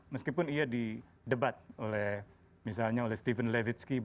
meskipun ia di debat oleh misalnya oleh steven levitsky